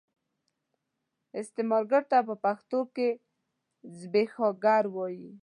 استثمارګر ته په پښتو کې زبېښاکګر وايي.